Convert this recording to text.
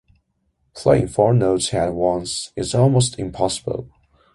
Playing four notes at once is almost impossible.